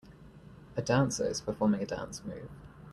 A dancer is performing a dance move.